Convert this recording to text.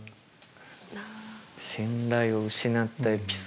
信頼を失ったエピソード。